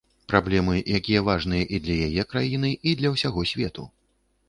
Праблемы, якія важныя і для яе краіны, і для ўсяго свету.